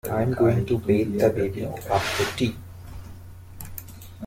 I'm going to bath the baby after tea